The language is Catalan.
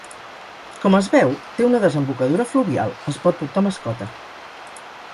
Com es veu, té una desembocadura fluvial, es pot portar mascota.